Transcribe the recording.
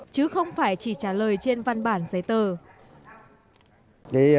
chứ không phải chỉ trả lời trên văn bản giấy tờ